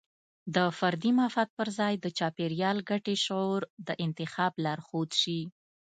د فردي مفاد پر ځای د چاپیریال ګټې شعور د انتخاب لارښود شي.